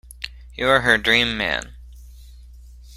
You are her dream man.